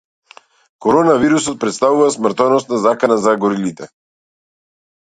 Коронавирусот претставува смртоносна закана за горилите